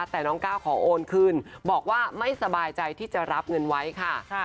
แต่น้องก้าวขอโอนคืนบอกว่าไม่สบายใจที่จะรับเงินไว้ค่ะ